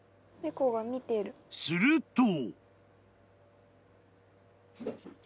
［すると］